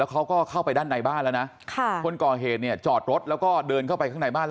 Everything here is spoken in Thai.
แล้วเขาก็เข้าไปด้านในบ้านแล้วนะ